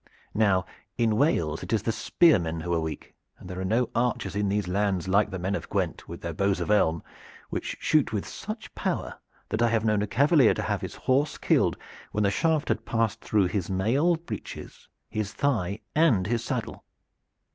Now in Wales it is the spearmen who are weak, and there are no archers in these islands like the men of Gwent with their bows of elm, which shoot with such power that I have known a cavalier to have his horse killed when the shaft had passed through his mail breeches, his thigh and his saddle.